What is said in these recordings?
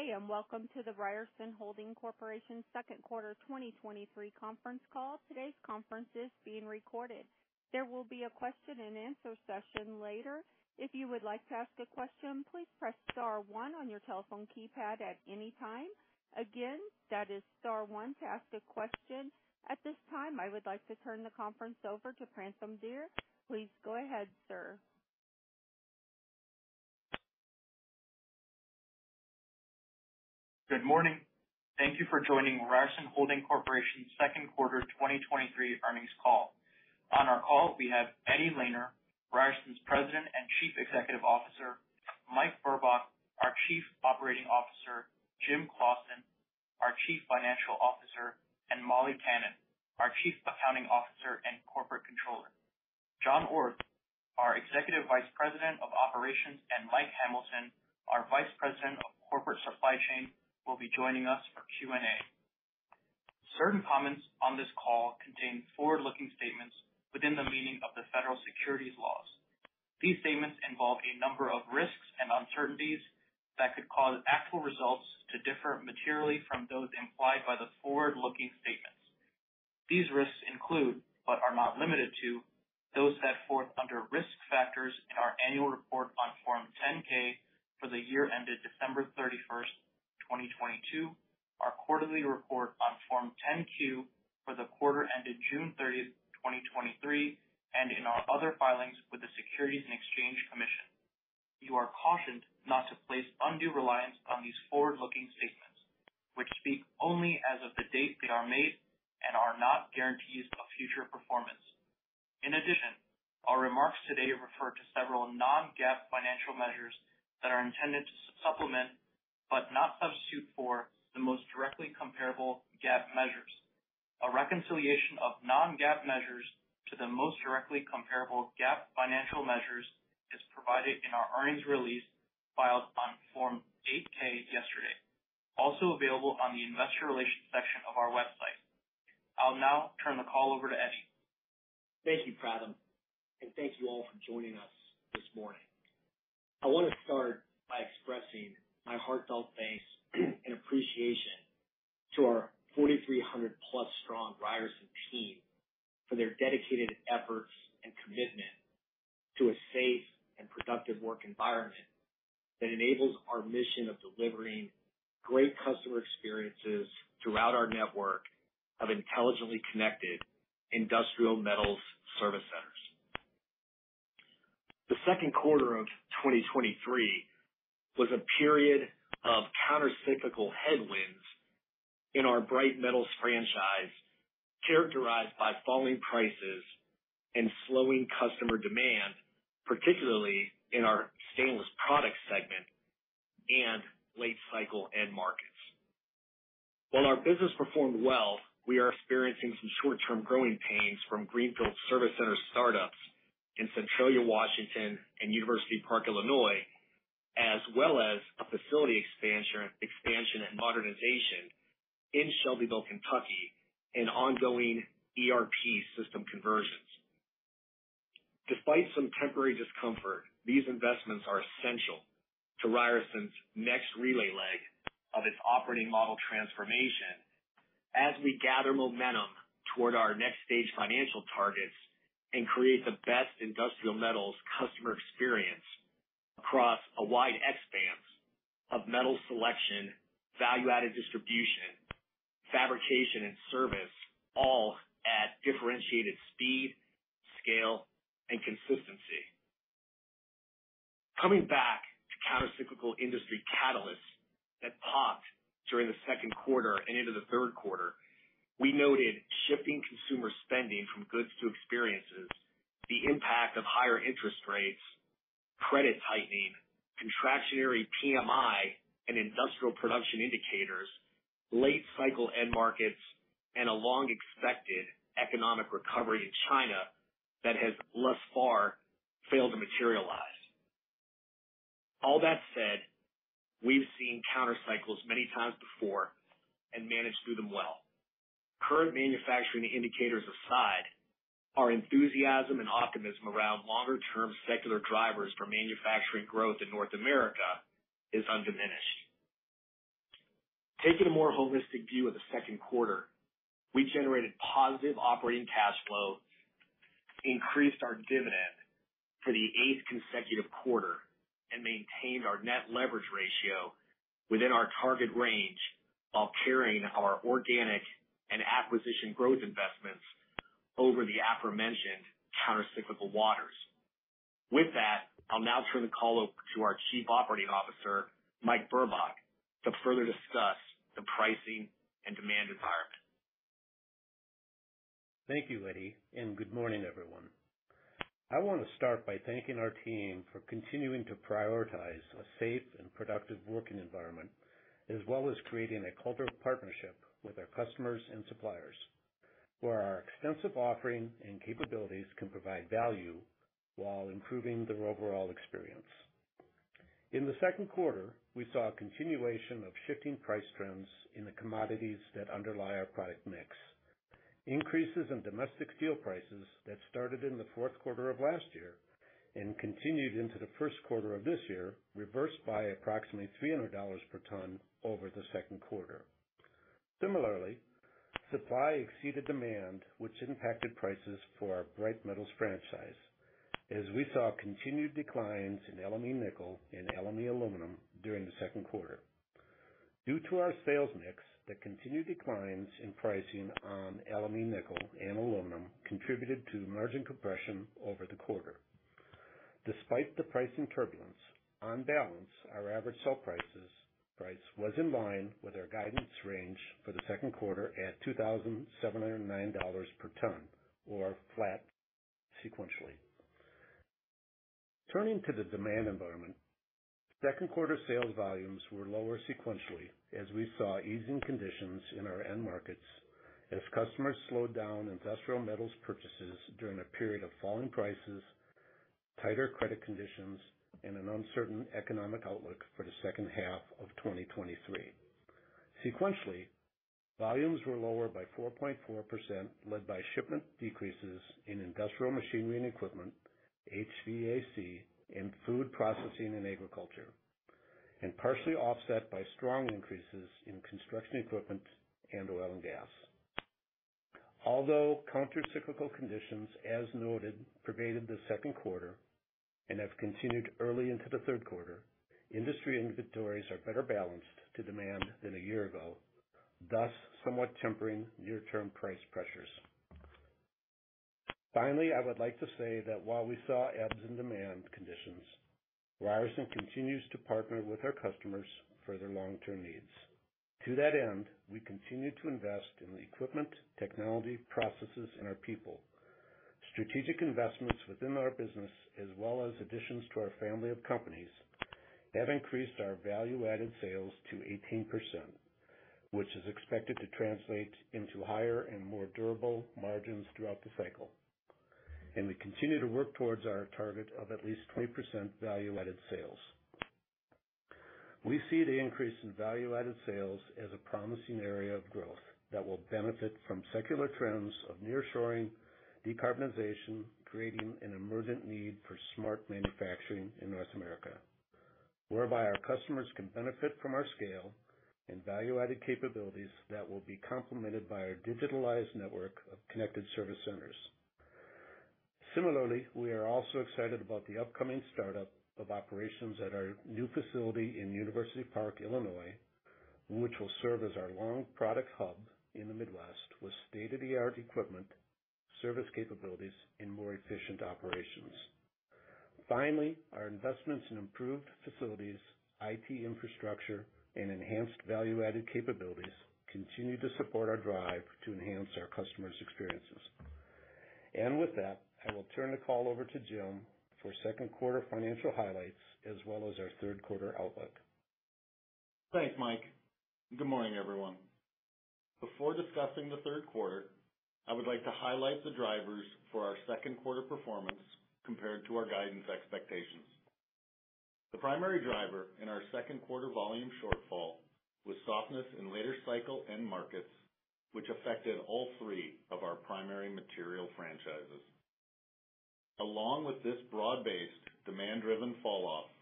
Good day, and welcome to the Ryerson Holding Corporation second quarter 2023 conference call. Today's conference is being recorded. There will be a question-and-answer session later. If you would like to ask a question, please press star one on your telephone keypad at any time. Again, that is star one to ask a question. At this time, I would like to turn the conference over to Pratham Dear. Please go ahead, sir. Good morning. Thank you for joining Ryerson Holding Corporation second quarter 2023 earnings call. On our call, we have Eddie Lehner, Ryerson's President and Chief Executive Officer, Mike Burbach, our Chief Operating Officer, Jim Claussen, our Chief Financial Officer, and Molly Kannan, our Chief Accounting Officer and Corporate Controller. John Orth, our Executive Vice President of Operations, and Mike Hamilton, our Vice President of Corporate Supply Chain, will be joining us for Q&A. Certain comments on this call contain forward-looking statements within the meaning of the federal securities laws. These statements involve a number of risks and uncertainties that could cause actual results to differ materially from those implied by the forward-looking statements. These risks include, but are not limited to, those set forth under risk factors in our annual report on Form 10-K for the year ended December 31st, 2022, our quarterly report on Form 10-Q for the quarter ended June 30th, 2023, and in our other filings with the Securities and Exchange Commission. You are cautioned not to place undue reliance on these forward-looking statements, which speak only as of the date they are made and are not guarantees of future performance. In addition, our remarks today refer to several non-GAAP financial measures that are intended to supplement, but not substitute for, the most directly comparable GAAP measures. A reconciliation of non-GAAP measures to the most directly comparable GAAP financial measures is provided in our earnings release filed on Form 8-K yesterday, also available on the Investor Relations section of our website. I'll now turn the call over to Eddie. Thank you, Pratham, and thank you all for joining us this morning. I want to start by expressing my heartfelt thanks and appreciation to our 4,300+ strong Ryerson team for their dedicated efforts and commitment to a safe and productive work environment that enables our mission of delivering great customer experiences throughout our network of intelligently connected industrial metals service centers. The second quarter of 2023 was a period of countercyclical headwinds in our Bright Metals franchise, characterized by falling prices and slowing customer demand, particularly in our Stainless Products segment and late cycle end markets. While our business performed well, we are experiencing some short-term growing pains from greenfield service center startups in Centralia, Washington, and University Park, Illinois, as well as a facility expansion and modernization in Shelbyville, Kentucky, and ongoing ERP system conversions. Despite some temporary discomfort, these investments are essential to Ryerson's next relay leg of its operating model transformation as we gather momentum toward our next stage financial targets and create the best industrial metals customer experience across a wide expanse of metal selection, value-added distribution, fabrication, and service, all at differentiated speed, scale, and consistency. Coming back to countercyclical industry catalysts that popped during the second quarter and into the third quarter, we noted shifting consumer spending from goods to experiences, the impact of higher interest rates, credit tightening, contractionary PMI and industrial production indicators, late cycle end markets, and a long-expected economic recovery in China that has thus far failed to materialize. All that said, we've seen countercycles many times before and managed through them well. Current manufacturing indicators aside, our enthusiasm and optimism around longer-term secular drivers for manufacturing growth in North America is undiminished. Taking a more holistic view of the second quarter, we generated positive operating cash flow, increased our dividend to the eighth consecutive quarter, and maintained our net leverage ratio within our target range, while carrying our organic and acquisition growth investments over the aforementioned countercyclical waters. With that, I'll now turn the call over to our Chief Operating Officer, Mike Burbach, to further discuss the pricing and demand environment. Thank you, Eddie, and good morning, everyone. I want to start by thanking our team for continuing to prioritize a safe and productive working environment, as well as creating a culture of partnership with our customers and suppliers, where our extensive offering and capabilities can provide value while improving their overall experience. In the second quarter, we saw a continuation of shifting price trends in the commodities that underlie our product mix. Increases in domestic steel prices that started in the fourth quarter of last year and continued into the first quarter of this year, reversed by approximately $300 per ton over the second quarter. Similarly, supply exceeded demand, which impacted prices for our Bright Metals franchise, as we saw continued declines in LME nickel and LME aluminum during the second quarter. Due to our sales mix, the continued declines in pricing on LME nickel and aluminum contributed to margin compression over the quarter. Despite the pricing turbulence, on balance, our average sell price was in line with our guidance range for the second quarter at $2,709 per ton, or flat sequentially. Turning to the demand environment, second quarter sales volumes were lower sequentially as we saw easing conditions in our end markets as customers slowed down industrial metals purchases during a period of falling prices, tighter credit conditions, and an uncertain economic outlook for the second half of 2023. Sequentially, volumes were lower by 4.4%, led by shipment decreases in industrial machinery and equipment, HVAC, and food processing and agriculture, and partially offset by strong increases in construction equipment and oil and gas. Although countercyclical conditions, as noted, pervaded the second quarter and have continued early into the third quarter, industry inventories are better balanced to demand than a year ago, thus somewhat tempering near-term price pressures. Finally, I would like to say that while we saw ebbs in demand conditions, Ryerson continues to partner with our customers for their long-term needs. To that end, we continue to invest in the equipment, technology, processes, and our people. Strategic investments within our business, as well as additions to our family of companies, have increased our value-added sales to 18%, which is expected to translate into higher and more durable margins throughout the cycle. We continue to work towards our target of at least 20% value-added sales. We see the increase in value-added sales as a promising area of growth that will benefit from secular trends of nearshoring, decarbonization, creating an emergent need for smart manufacturing in North America, whereby our customers can benefit from our scale and value-added capabilities that will be complemented by our digitalized network of connected service centers. Similarly, we are also excited about the upcoming startup of operations at our new facility in University Park, Illinois, which will serve as our lawn product hub in the Midwest, with state-of-the-art equipment, service capabilities, and more efficient operations. Finally, our investments in improved facilities, IT infrastructure, and enhanced value-added capabilities continue to support our drive to enhance our customers' experiences. With that, I will turn the call over to Jim for second quarter financial highlights as well as our third quarter outlook. Thanks, Mike. Good morning, everyone. Before discussing the third quarter, I would like to highlight the drivers for our second quarter performance compared to our guidance expectations. The primary driver in our second quarter volume shortfall was softness in later cycle end markets, which affected all three of our primary material franchises. Along with this broad-based, demand-driven falloff,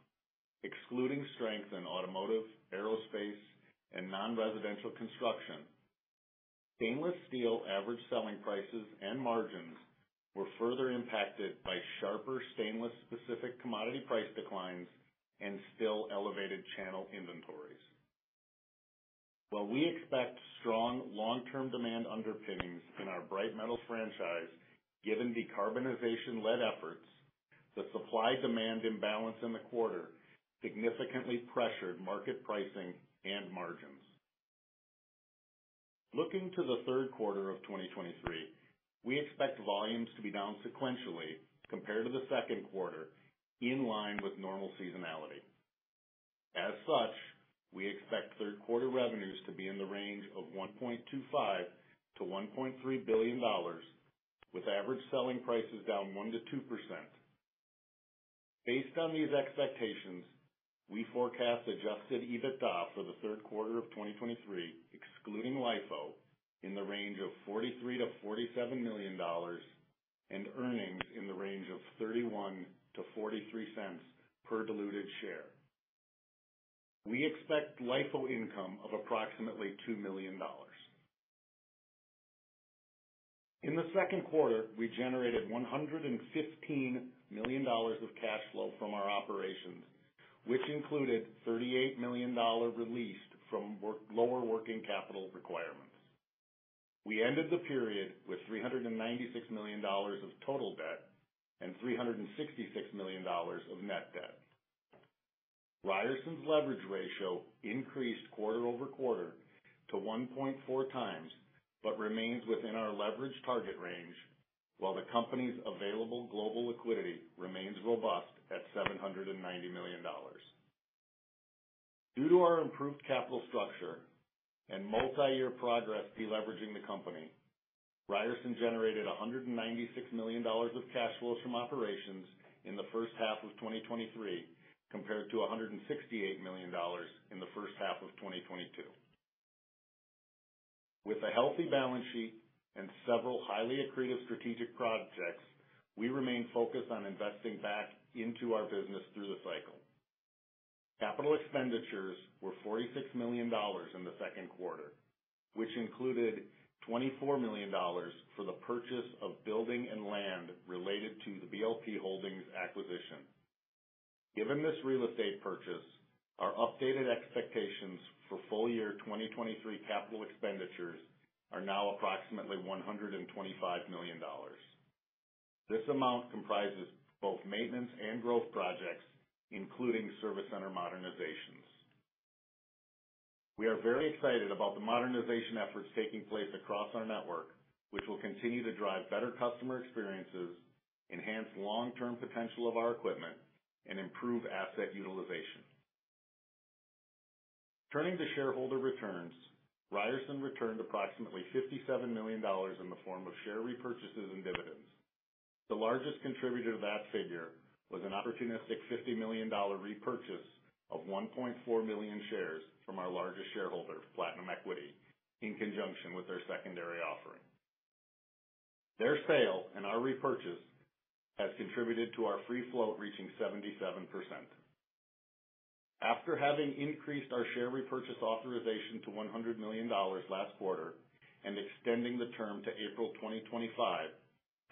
excluding strength in automotive, aerospace, and non-residential construction, stainless steel average selling prices and margins were further impacted by sharper, stainless-specific commodity price declines and still elevated channel inventories. While we expect strong long-term demand underpinnings in our Bright Metal franchise, given decarbonization-led efforts, the supply-demand imbalance in the quarter significantly pressured market pricing and margins. Looking to the third quarter of 2023, we expect volumes to be down sequentially compared to the second quarter, in line with normal seasonality. As such, we expect third quarter revenues to be in the range of $1.25 billion-$1.3 billion, with average selling prices down 1%-2%. Based on these expectations, we forecast Adjusted EBITDA for the third quarter of 2023, excluding LIFO, in the range of $43 million-$47 million, and earnings in the range of $0.31-$0.43 per diluted share. We expect LIFO income of approximately $2 million. In the second quarter, we generated $115 million of cash flow from our operations, which included $38 million released from lower working capital requirements. We ended the period with $396 million of total debt and $366 million of net debt. Ryerson's leverage ratio increased quarter-over-quarter to 1.4x, but remains within our leverage target range, while the company's available global liquidity remains robust at $790 million. Due to our improved capital structure and multiyear progress deleveraging the company, Ryerson generated $196 million of cash flows from operations in the first half of 2023, compared to $168 million in the first half of 2022. With a healthy balance sheet and several highly accretive strategic projects, we remain focused on investing back into our business through the cycle. Capital expenditures were $46 million in the second quarter, which included $24 million for the purchase of building and land related to the BLP Holdings acquisition. Given this real estate purchase, our updated expectations for full year 2023 capital expenditures are now approximately $125 million. This amount comprises both maintenance and growth projects, including service center modernizations. We are very excited about the modernization efforts taking place across our network, which will continue to drive better customer experiences, enhance long-term potential of our equipment, and improve asset utilization. Turning to shareholder returns, Ryerson returned approximately $57 million in the form of share repurchases and dividends. The largest contributor to that figure was an opportunistic $50 million repurchase of 1.4 million shares from our largest shareholder, Platinum Equity, in conjunction with their secondary offering. Their sale and our repurchase has contributed to our free float reaching 77%. After having increased our share repurchase authorization to $100 million last quarter and extending the term to April 2025,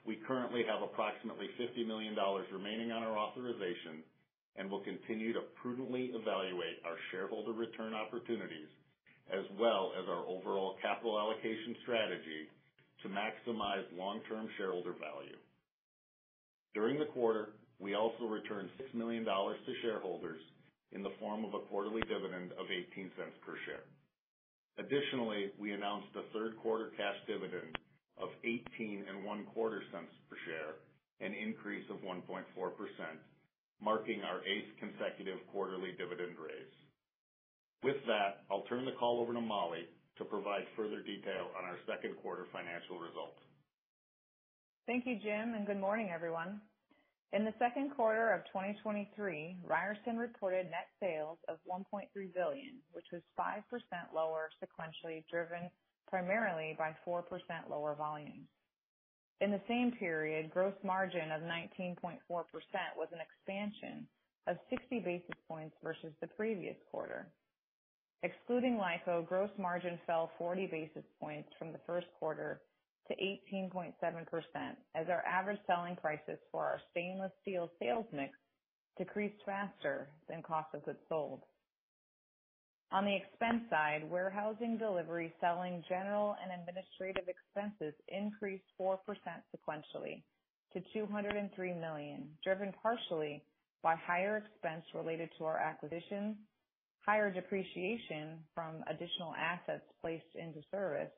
we currently have approximately $50 million remaining on our authorization and will continue to prudently evaluate our shareholder return opportunities, as well as our overall capital allocation strategy to maximize long-term shareholder value. During the quarter, we also returned $6 million to shareholders in the form of a quarterly dividend of $0.18 per share. Additionally, we announced a third quarter cash dividend of $0.1825 per share, an increase of 1.4%, marking our eigth consecutive quarterly dividend raise. With that, I'll turn the call over to Molly to provide further detail on our second quarter financial results. Thank you, Jim, and good morning, everyone. In the second quarter of 2023, Ryerson reported net sales of $1.3 billion, which was 5% lower sequentially, driven primarily by 4% lower volumes. In the same period, gross margin of 19.4% was an expansion of 60 basis points versus the previous quarter. Excluding LIFO, gross margin fell 40 basis points from the first quarter to 18.7%, as our average selling prices for our stainless steel sales mix decreased faster than cost of goods sold. On the expense side, warehousing, delivery, selling, general and administrative expenses increased 4% sequentially to $203 million, driven partially by higher expense related to our acquisitions, higher depreciation from additional assets placed into service,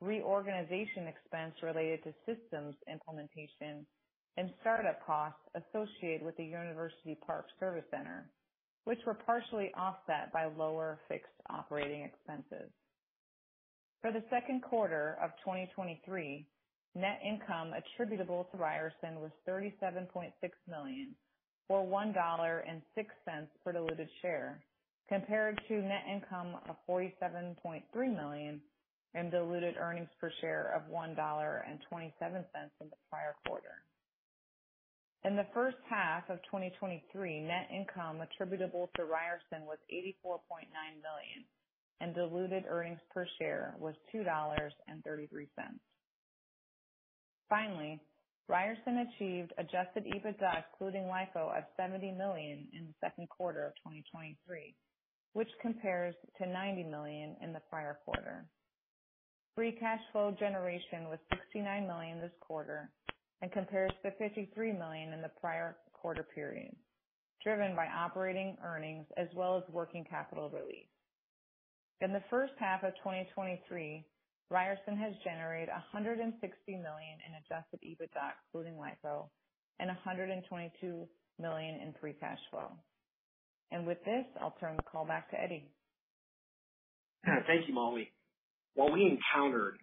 reorganization expense related to systems implementation, and startup costs associated with the University Park Service Center, which were partially offset by lower fixed operating expenses. For the second quarter of 2023, net income attributable to Ryerson was $37.6 million, or $1.06 per diluted share, compared to net income of $47.3 million and diluted earnings per share of $1.27 in the prior quarter. In the first half of 2023, net income attributable to Ryerson was $84.9 million, and diluted earnings per share was $2.33. Finally, Ryerson achieved Adjusted EBITDA, including LIFO, of $70 million in the second quarter of 2023, which compares to $90 million in the prior quarter. Free cash flow generation was $69 million this quarter and compares to $53 million in the prior quarter period, driven by operating earnings as well as working capital relief. In the first half of 2023, Ryerson has generated $160 million in Adjusted EBITDA, including LIFO, and $122 million in free cash flow. With this, I'll turn the call back to Eddie. Thank you, Molly. While we encountered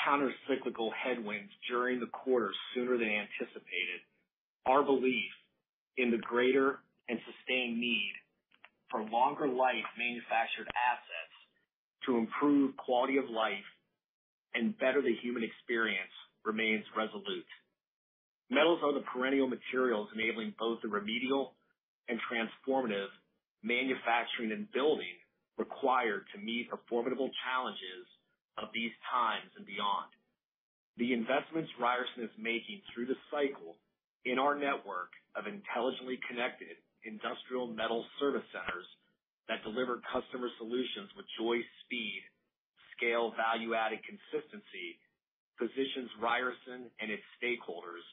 countercyclical headwinds during the quarter sooner than anticipated, our belief in the greater and sustained need for longer-life manufactured assets to improve quality of life and better the human experience remains resolute. Metals are the perennial materials enabling both the remedial and transformative manufacturing and building required to meet the formidable challenges of these times and beyond. The investments Ryerson is making through the cycle in our network of intelligently connected industrial metal service centers that deliver customer solutions with joy, speed, scale, value-added consistency, positions Ryerson and its stakeholders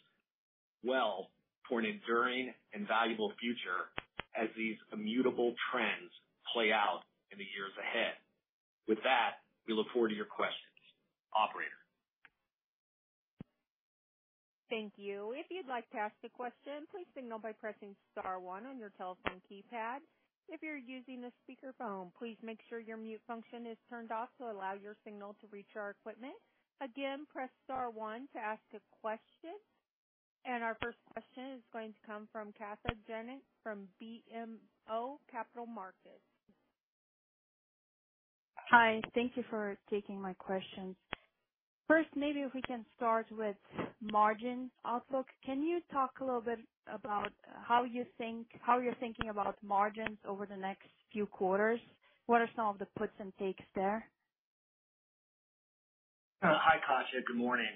well for an enduring and valuable future as these commutable trends play out in the years ahead. With that, we look forward to your questions. Operator? Thank you. If you'd like to ask a question, please signal by pressing star one on your telephone keypad. If you're using a speakerphone, please make sure your mute function is turned off to allow your signal to reach our equipment. Again, press star one to ask a question. Our first question is going to come from Katja Jancic from BMO Capital Markets. Hi. Thank you for taking my questions. First, maybe if we can start with margin outlook. Can you talk a little bit about how you're thinking about margins over the next few quarters? What are some of the puts and takes there? Hi, Katja. Good morning.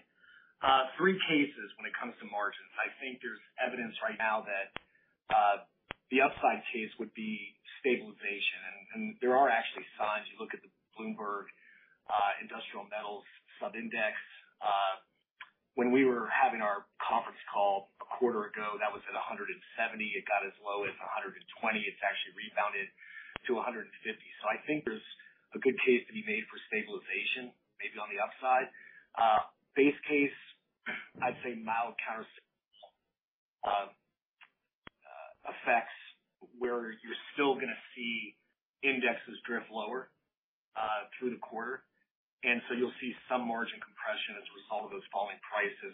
Three cases when it comes to margins. I think there's evidence right now that the upside case would be stabilization, and, and there are actually signs. You look at the Bloomberg Industrial Metals Subindex. When we were having our conference call a quarter ago, that was at 170. It got as low as 120. It's actually rebounded to 150. I think there's a good case to be made for stabilization, maybe on the upside. Base case, I'd say mild counter effects, where you're still gonna see indexes drift lower through the quarter. You'll see some margin compression as a result of those falling prices.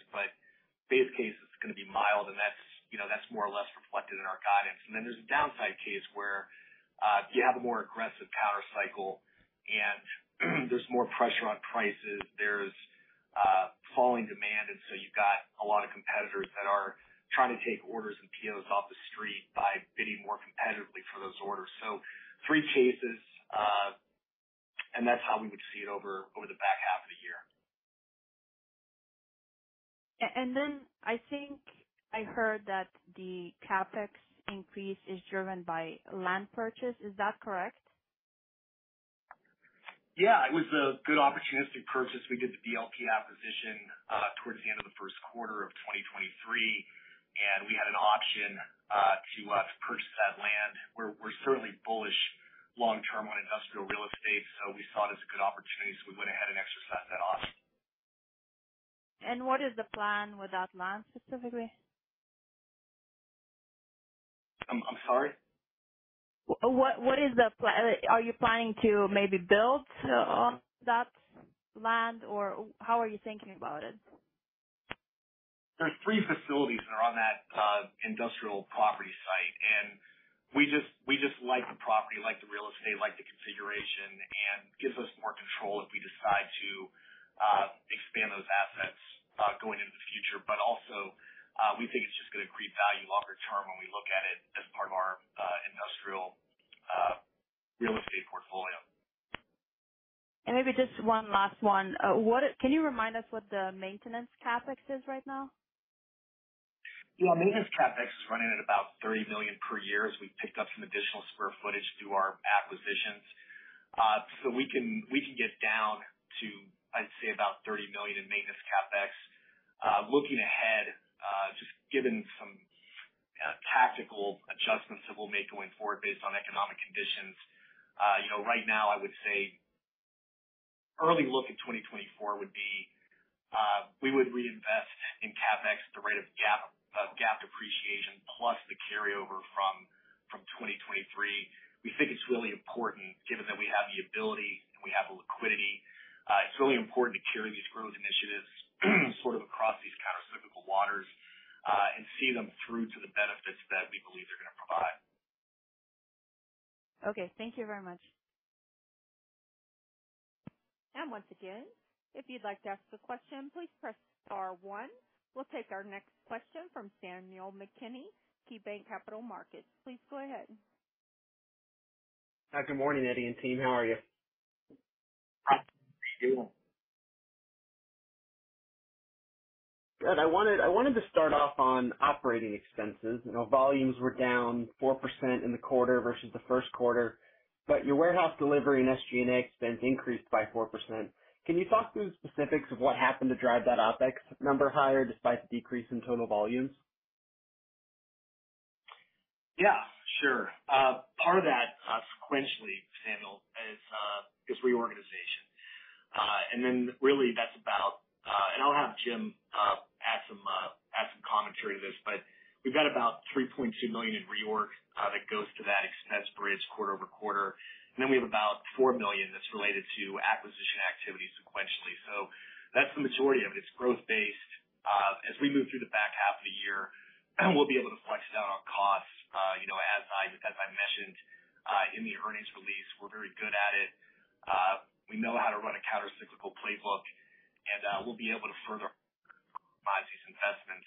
Base case, it's gonna be mild, and that's, you know, that's more or less reflected in our guidance. Then there's a downside case where you have a more aggressive counter cycle, and, there's more pressure on prices. There's falling demand, and so you've got a lot of competitors that are trying to take orders and POs off the street by bidding more competitively for those orders. Three cases, and that's how we would see it over the back half of the year. I think I heard that the CapEx increase is driven by land purchase. Is that correct? Yeah, it was a good opportunity to purchase. We did the BLP acquisition, towards the end of the first quarter of 2023, and we had an option, to, purchase that land. We're, we're certainly bullish long term on industrial real estate, so we saw it as a good opportunity, so we went ahead and exercised that option. What is the plan with that land specifically? I'm sorry? What, what is the plan? Are you planning to maybe build on that land, or how are you thinking about it? There's three facilities that are on that industrial property site, and we just, we just like the property, like the real estate, like the configuration, and gives us more control if we decide to expand those assets going into the future. Also, we think it's just gonna create value longer term when we look at it as part of our industrial real estate portfolio. Maybe just one last one. Can you remind us what the maintenance CapEx is right now? Yeah. Maintenance CapEx is running at about $30 million per year as we picked up some additional square footage through our acquisitions. So we can, we can get down to, I'd say, about $30 million in maintenance CapEx. Looking ahead, just given some tactical adjustments that we'll make going forward based on economic conditions, you know, right now, I would say early look at 2024 would be, we would reinvest in CapEx at the rate of GAAP depreciation, plus the carryover from 2023. We think it's really important given that we have the ability and we have the liquidity. It's really important to carry these growth initiatives sort of across these countercyclical waters and see them through to the benefits that we believe they're gonna provide. Okay. Thank you very much. Once again, if you'd like to ask a question, please press star one. We'll take our next question from Samuel McKinney, KeyBanc Capital Markets. Please go ahead. Hi, good morning, Eddie and team. How are you? Hi, Sam. Good. I wanted, I wanted to start off on operating expenses. You know, volumes were down 4% in the quarter versus the first quarter, but your warehouse delivery and SG&A expense increased by 4%. Can you talk through the specifics of what happened to drive that OpEx number higher, despite the decrease in total volumes? Yeah, sure. Part of that, sequentially, Samuel, is reorganization. Then really, that's about, and I'll have Jim add some add some commentary to this, but we've got about $3.2 million in reorg that goes to that. It's spreads quarter-over-quarter, and then we have about $4 million that's related to acquisition activity sequentially. That's the majority of it. It's growth-based. As we move through the back half of the year, we'll be able to flex down on costs. You know, as I, as I mentioned, in the earnings release, we're very good at it. We know how to run a countercyclical playbook, and we'll be able to further advise these investments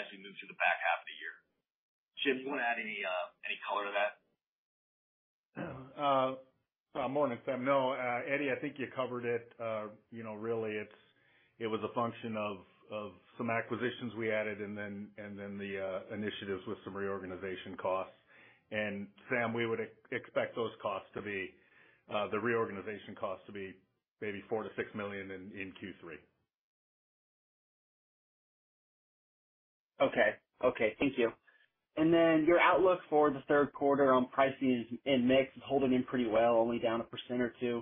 as we move through the back half of the year. Jim, you want to add any, any color to that? Morning, Sam. No, Eddie, I think you covered it. You know, really, it's... it was a function of, of some acquisitions we added and then, and then the initiatives with some reorganization costs. Sam, we would expect those costs to be, the reorganization costs, to be maybe $4 million-$6 million in Q3. Okay. Okay. Thank you. Then your outlook for the third quarter on pricing and mix is holding in pretty well, only down 1%-2%.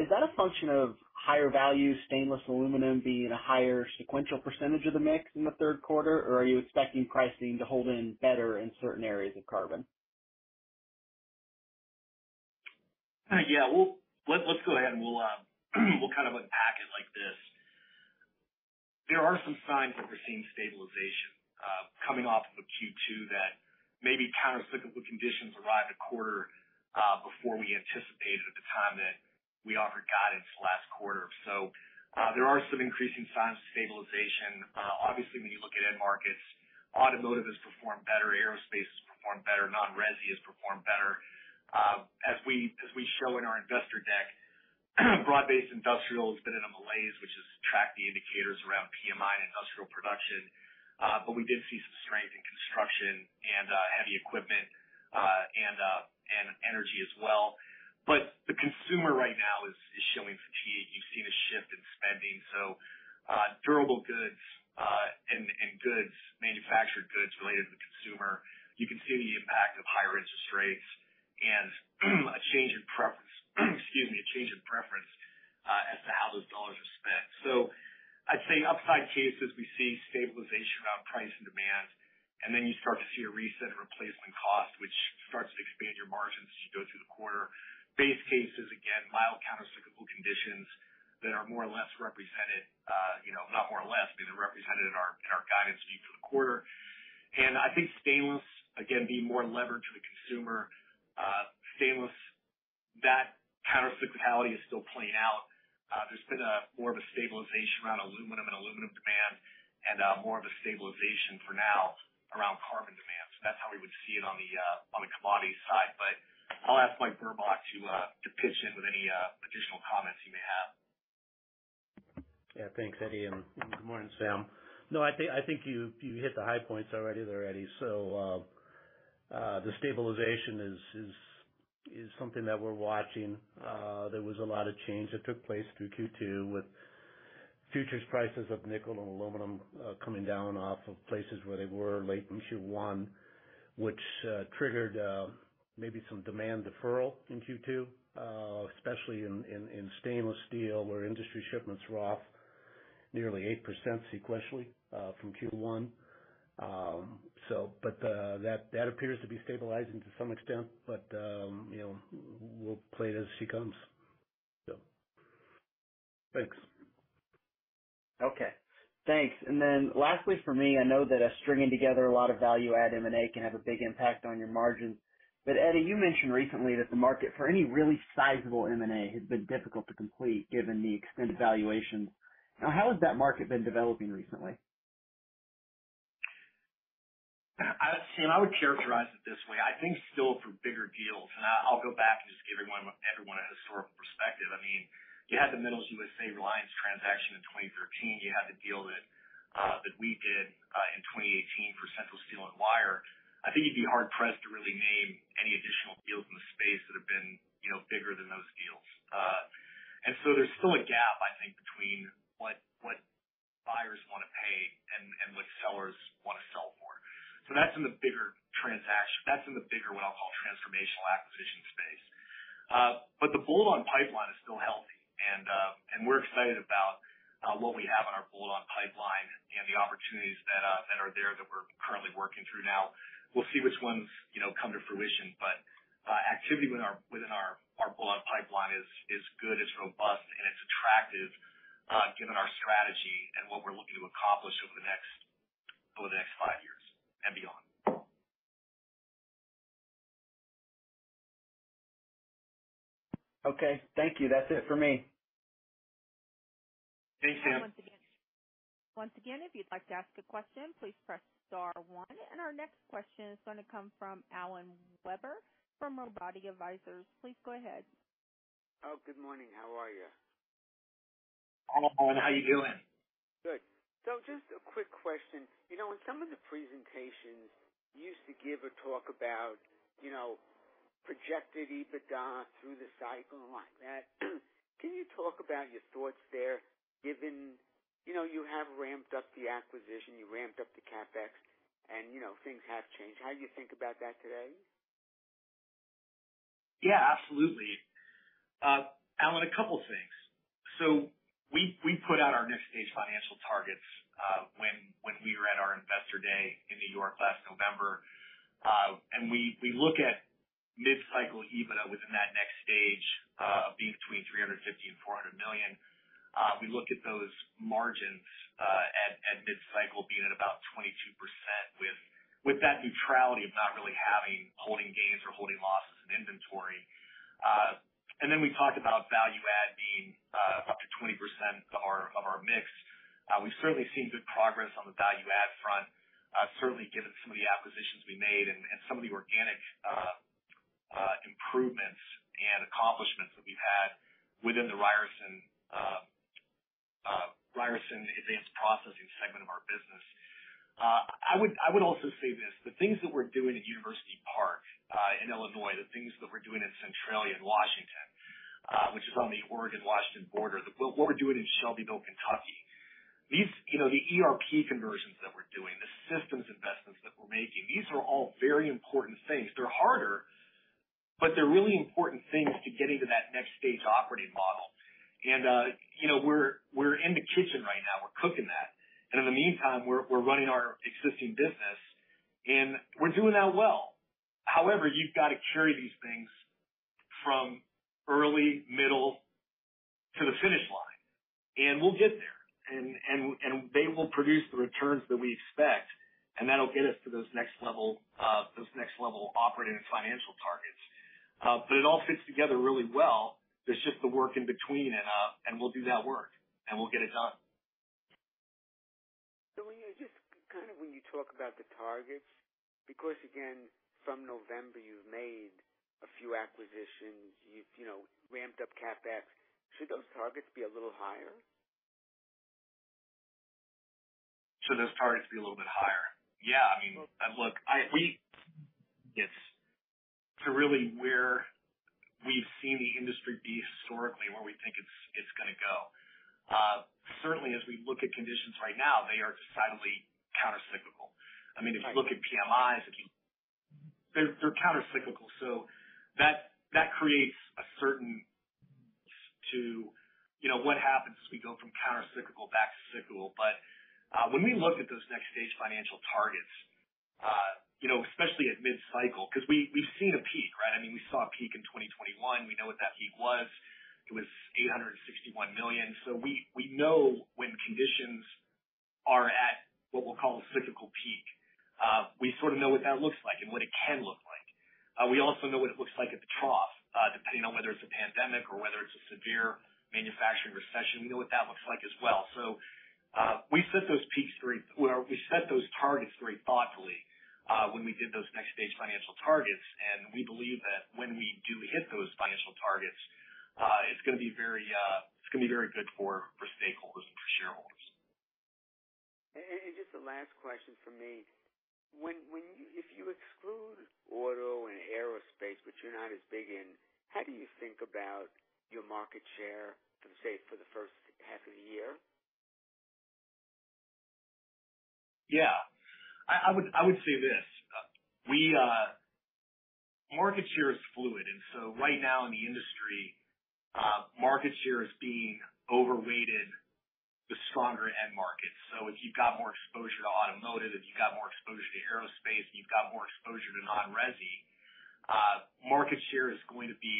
Is that a function of higher value stainless aluminum being a higher sequential percentage of the mix in the third quarter? Are you expecting pricing to hold in better in certain areas of carbon? Yeah, we'll let, let's go ahead, and we'll kind of unpack it like this. There are some signs that we're seeing stabilization, coming off of a Q2, that maybe countercyclical conditions arrived a quarter, before we anticipated at the time that we offered guidance last quarter. There are some increasing signs of stabilization. Obviously, when you look at end markets, automotive has performed better, aerospace has performed better, non-resi has performed better. As we, as we show in our investor deck, broad-based industrial has been in a malaise, which has tracked the indicators around PMI and industrial production. We did see some strength in construction and heavy equipment, and energy as well. The consumer right now is, is showing fatigue. You've seen a shift in spending. Durable goods, and goods, manufactured goods related to the consumer, you continue the impact of higher interest rates and a change in preference. Excuse me, a change in preference, as to how those dollars are spent. I'd say upside cases, we see stabilization around price and demand, and then you start to see a reset in replacement cost, which starts to expand your margins as you go through the quarter. Base cases, again, mild countercyclical conditions that are more or less represented, you know, not more or less, because they're represented in our, in our guidance for the quarter. I think stainless, again, being more levered to the consumer, stainless, that countercyclicality is still playing out. There's been a more of a stabilization around aluminum and aluminum demand and, more of a stabilization for now around carbon demand. That's how we would see it on the commodity side. I'll ask Mike Burbach to pitch in with any additional comments he may have. Yeah, thanks, Eddie, and good morning, Sam. No, I think, I think you, you hit the high points already there, Eddie. So, the stabilization is something that we're watching. There was a lot of change that took place through Q2, with futures prices of nickel and aluminum, coming down off of places where they were late in Q1, which triggered maybe some demand deferral in Q2, especially in Stainless Steel, where industry shipments were off nearly 8% sequentially from Q1. So but, that, that appears to be stabilizing to some extent, but, you know, we'll play it as she comes. So thanks. Okay, thanks. Lastly for me, I know that, stringing together a lot of value add M&A can have a big impact on your margins. Eddie, you mentioned recently that the market for any really sizable M&A has been difficult to complete given the extended valuations. How has that market been developing recently? Sam, I would characterize it this way: I think still for bigger deals, and I, I'll go back and just give everyone, everyone a historical perspective. I mean, you had the Metal USA-Reliance transaction in 2013. You had the deal that we did in 2018 for Central Steel and Wire. I think you'd be hard pressed to really name any additional deals in the space that have been, you know, bigger than those deals. So there's still a gap, I think, between what, what buyers want to pay and, and what sellers want to sell for. That's in the bigger, what I'll call, transformational acquisition space. The bolt-on pipeline is still healthy, and, and we're excited about, what we have in our bolt-on pipeline and the opportunities that, that are there that we're currently working through now. We'll see which ones, you know, come to fruition. Activity within our, within our, our bolt-on pipeline is, is good, it's robust, and it's attractive, given our strategy and what we're looking to accomplish over the next, over the next five years and beyond. Okay. Thank you. That's it for me. Thanks, Sam. Once again, if you'd like to ask a question, please press star one. Our next question is going to come from Alan Weber from Robotti Advisors. Please go ahead. Oh, good morning. How are you? Hi, Alan, How you doing? Good. Just a quick question. You know, in some of the presentations, you used to give a talk about, you know, projected EBITDA through the cycle like that. Can you talk about your thoughts there, given, you know, you have ramped up the acquisition, you ramped up the CapEx, and, you know, things have changed? How do you think about that today? Yeah, absolutely. Alan, a couple things. We, we put out our next stage financial targets, when, when we were at our Investor Day in New York last November. We, we look at mid-cycle EBITDA within that next stage, being between $350 million and $400 million. We look at those margins, at, at mid-cycle being at about 22% with, with that neutrality of not really having holding gains or holding losses in inventory. Then we talked about value add being, up to 20% of our, of our mix. We've certainly seen good progress on the value add front. Certainly given some of the acquisitions we made and, and some of the organic, improvements and accomplishments that we've had within the Ryerson, Ryerson Advanced Processing segment of our business. I would, I would also say this, the things that we're doing at University Park, in Illinois, the things that we're doing in Centralia, in Washington, which is on the Oregon-Washington border, we're doing in Shelbyville, Kentucky. These. You know, the ERP conversions that we're doing, the systems investments that we're making, these are all very important things. They're harder, but they're really important things to getting to that next stage operating model. You know, we're, we're in the kitchen right now. We're cooking that. In the meantime, we're, we're running our existing business. We're doing that well. However, you've got to carry these things from early, middle, to the finish line, and we'll get there, and they will produce the returns that we expect, and that'll get us to those next level, those next level operating and financial targets. It all fits together really well. There's just the work in between and we'll do that work, and we'll get it done. When you kind of when you talk about the targets, because, again, from November, you've made a few acquisitions. You've, you know, ramped up CapEx. Should those targets be a little higher? Should those targets be a little bit higher? Yeah. I mean, look, I, we it's to really where we've seen the industry be historically, where we think it's, it's gonna go. Certainly as we look at conditions right now, they are decidedly countercyclical. I mean, if you look at PMIs, if you. They're, they're countercyclical, so that, that creates a certain to, you know, what happens as we go from countercyclical back to cyclical. When we look at those next stage financial targets, you know, especially at midcycle, because we, we've seen a peak, right? I mean, we saw a peak in 2021. We know what that peak was. It was $861 million. We, we know when conditions are at what we'll call a cyclical peak. We sort of know what that looks like and what it can look like. We also know what it looks like at the trough, depending on whether it's a pandemic or whether it's a severe manufacturing recession. We know what that looks like as well. We set those peaks very... Well, we set those targets very thoughtfully, when we did those next stage financial targets. We believe that when we do hit those financial targets, it's gonna be very, it's gonna be very good for, for stakeholders and for shareholders. Just the last question from me. When you, if you exclude auto and aerospace, which you're not as big in, how do you think about your market share for, say, for the first half of the year? Yeah. I, I would, I would say this: We, market share is fluid, and so right now in the industry, market share is being overweighted with stronger end markets. So if you've got more exposure to automotive, if you've got more exposure to aerospace, you've got more exposure to non-resi, market share is going to be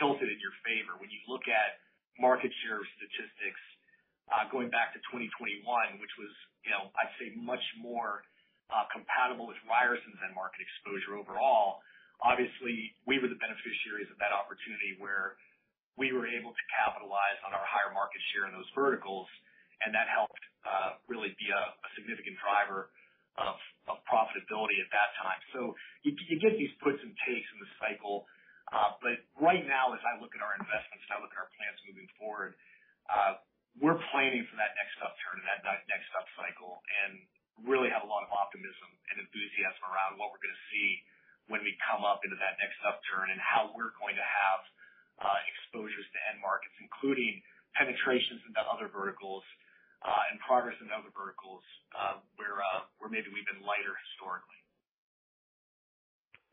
tilted in your favor. When you look at market share statistics, going back to 2021, which was, you know, I'd say much more compatible with Ryerson's end market exposure overall. Obviously, we were the beneficiaries of that opportunity where we were able to capitalize on our higher market share in those verticals, and that helped really be a, a significant driver of, of profitability at that time. So you, you get these puts and takes in the cycle. Right now, as I look at our investments, as I look at our plans moving forward, we're planning for that next upturn and that next upcycle and really have a lot of optimism and enthusiasm around what we're gonna see when we come up into that next upturn, and how we're going to have exposures to end markets, including penetrations into other verticals, and progress in other verticals, where, where maybe we've been lighter historically.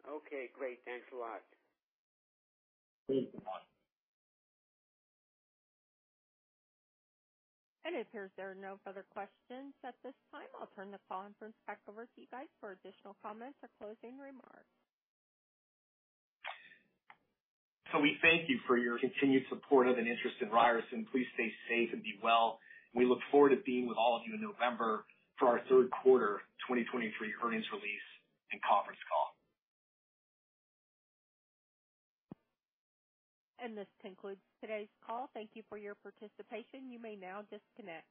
Okay, great. Thanks a lot. Thank you. It appears there are no further questions at this time. I'll turn the conference back over to you, guys, for additional comments or closing remarks. We thank you for your continued support and interest in Ryerson. Please stay safe and be well. We look forward to being with all of you in November for our third quarter 2023 earnings release and conference call. This concludes today's call. Thank you for your participation. You may now disconnect.